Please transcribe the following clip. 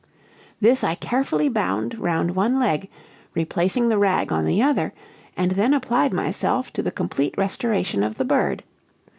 "This I carefully bound round one leg, replacing the rag on the other, and then applied myself to the complete restoration of the bird.